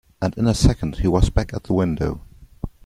And in a second he was back at the window.